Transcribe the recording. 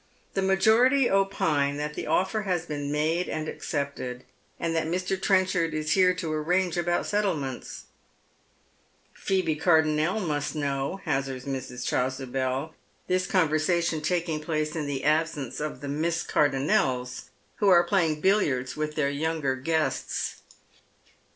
The majority opine that tho ofl'er has been made and accepted, Sind that Mj. Trenchard is here to aiTange about settlements. Tilherry Steeplechaae. 201 " Phccbe Cardonnel must know," hazards Mru. Ohasubel, this conversation takins^ place in the absence of the Miss Cardonnels, who are playing billiards with their younger guests.